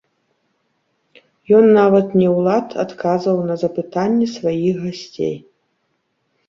Ён нават не ў лад адказваў на запытанні сваіх гасцей.